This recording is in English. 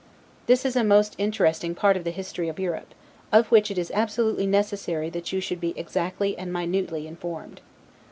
This is a most interesting part of the history of Europe, of which it is absolutely necessary that you should be exactly and minutely informed.